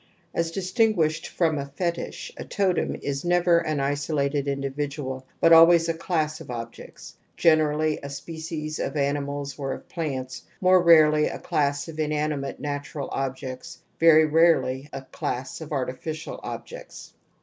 ^As distinguished from a fetich, a totem is never an isolated individual but always a class of objects, generally a species of animals or of plants, more rarely a class of inanimate natural objects, very rarely a class of artificial objects."